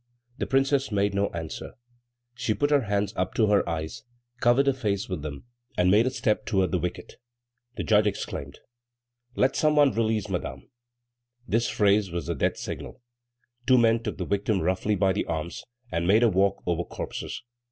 The Princess made no answer; she put her hands up to her eyes, covered her face with them and made a step toward the wicket. The judge exclaimed: "Let some one release Madame!" This phrase was the death signal. Two men took the victim roughly by the arms, and made her walk over corpses.